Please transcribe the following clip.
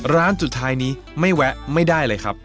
ร้านสุดท้ายนี้ไม่แวะไม่ได้เลยครับ